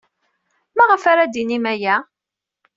Maɣef ara d-tinim aya?